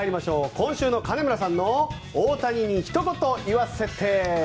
今週の金村さんの大谷にひと言言わせて。